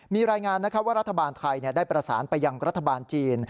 มีรายงานว่ารัฐบาลไทยได้ประสานไปยังรัฐบาลจีน